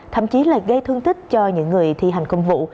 thậm chí là gây thương tích cho những người thi hành công vụ